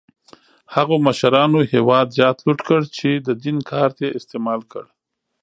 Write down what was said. هغو مشرانو هېواد زیات لوټ کړ چې د دین کارت یې استعمال کړ.